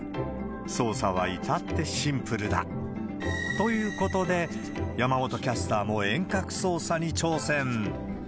操作はいたってシンプルだ。ということで、山本キャスターも遠隔操作に挑戦。